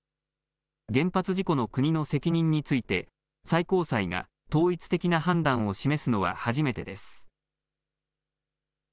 原発事故の国の責任について、最高裁が統一的な判断を示すのは初めてです。